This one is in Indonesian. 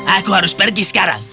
aku harus pergi sekarang